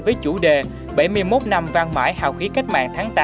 với chủ đề bảy mươi một năm vang mãi hào khí cách mạng tháng tám